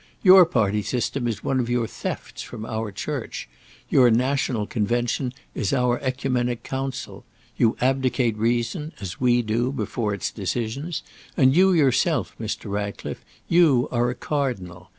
Your party system is one of your thefts from our Church; your National Convention is our OEcumenic Council; you abdicate reason, as we do, before its decisions; and you yourself, Mr. Ratcliffe, you are a Cardinal.